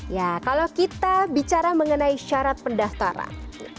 ya kalau kita bicara mengenai syarat pendaftaran